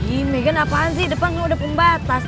ihh megan apaan sih depan lo udah pembatas